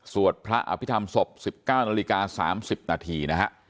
สวดพระอภิษฐรรมศพสิบเก้านาฬิกาสามสิบนาทีนะฮะ